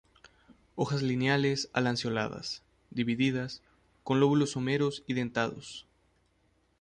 Hojas lineales a lanceoladas, divididas, con lóbulos someros y dentados.